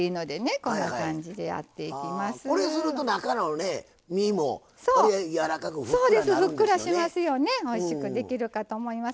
こうすると中の身もわりあい、やわらかくおいしくできると思います。